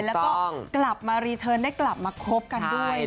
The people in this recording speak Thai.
แล้วก็กลับมารีเทิร์นได้กลับมาคบกันด้วย